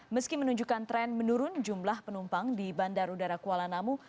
meski menunjukkan tren menurun jumlah penumpang di bandar udara kuala namu